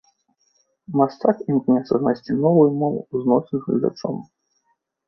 Мастак імкнецца знайсці новую мову зносін з гледачом.